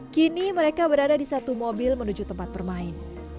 kini mereka berada di satu mobil menuju tempat bermain